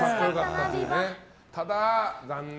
ただ、残念。